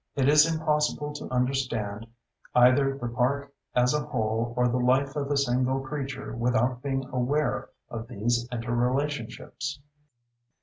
It is impossible to understand either the park as a whole or the life of a single creature without being aware of these interrelationships.